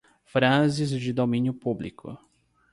Frases de domínio público